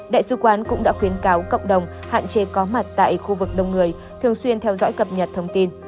đại sứ quán cũng đã khuyến cáo cộng đồng hạn chế có mặt tại khu vực đông người thường xuyên theo dõi cập nhật thông tin